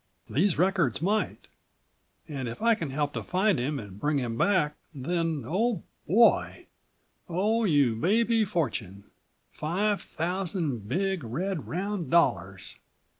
These records might. And if I can help to find him and bring him back, then, oh, boy! Oh you baby fortune! Five thousand big, red, round dollars!"